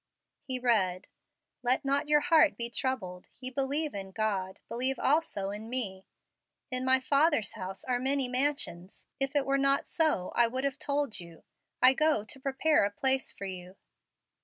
He read, "Let not your heart be troubled: ye believe in God, believe also in me. "In my Father's house are many mansions: if it were not so, I would have told you. I go to prepare a place for you."